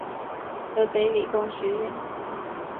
湖北理工学院